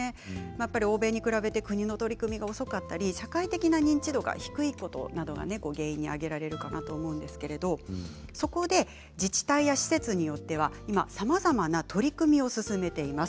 欧米に比べて、国の取り組みが遅かったり、社会的な認知度が低いことなどが原因に挙げられるかなと思うんですけれどそこで自治体や施設によっては今さまざまな取り組みを進めています。